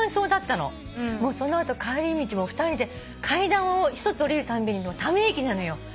その後帰り道も２人で階段を１つ下りるたんびにため息なのよ。